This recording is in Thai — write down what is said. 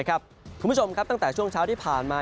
คุณผู้ชมครับตั้งแต่ช่วงเช้าที่ผ่านมา